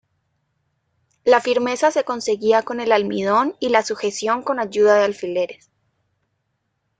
La firmeza se conseguía con el almidón y la sujeción con ayuda de alfileres.